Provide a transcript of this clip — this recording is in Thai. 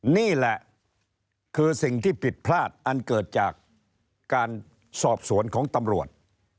นี่แหละคือสิ่งที่ผิดพลาดอันเกิดจากการสอบสวนของตำรวจ